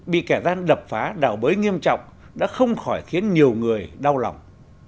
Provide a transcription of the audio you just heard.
bị kẻ gian đập phá đảo bới nghiêm trọng đã không khỏi khiến nhiều người đau lòng